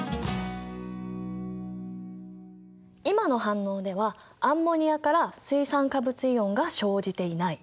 今の反応ではアンモニアから水酸化物イオンが生じていない。